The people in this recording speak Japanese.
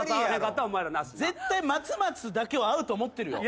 絶対松松だけは合うと思ってるよ。